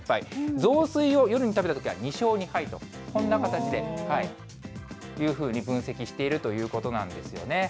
雑炊を夜に食べたときは２勝２敗と、こんな形で分析しているということなんですよね。